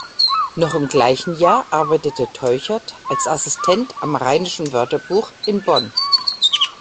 Noch im gleichen Jahr arbeitete Teuchert als Assistent am "Rheinischen Wörterbuch" in Bonn.